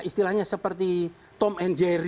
istilahnya seperti tom and jerry